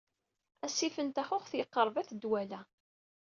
Asif n taxuxt yeqṛeb at Dwala.